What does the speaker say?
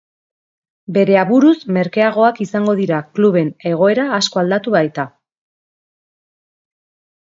Bere aburuz merkeagoak izango dira kluben egoera asko aldatuko baita.